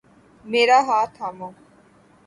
میرا ہاتھ تھامو